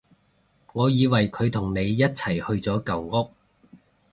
我以為佢同你一齊去咗舊屋